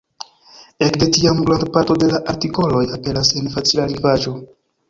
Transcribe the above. Ekde tiam granda parto de la artikoloj aperas en facila lingvaĵo.